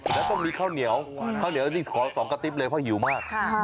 แล้วต้องมีข้าวเหนียวข้าวเหนียวนี่ขอ๒กระติ๊บเลยเพราะหิวมาก